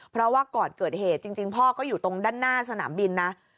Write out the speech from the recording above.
เพราะว่าก่อนเกิดเหตุจริงพ่อก็อยู่ตรงด้านหน้าสนามบินนะ